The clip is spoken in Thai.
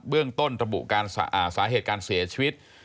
เรื่องต้นระบุสาเหตุการเสียชีวิต